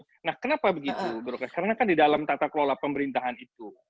nah kenapa begitu karena kan di dalam tata kelola pemerintahan itu